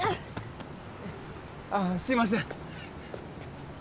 あすいません。